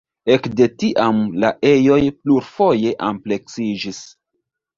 Ekde tiam la ejoj plurfoje ampleksiĝis.